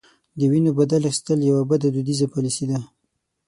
د وینو بدل اخیستل یوه بده دودیزه پالیسي ده.